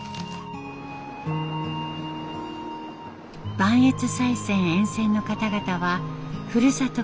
磐越西線沿線の方々はふるさとが大好き。